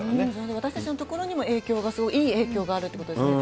私たちの生活にもいい影響があるということですもんね。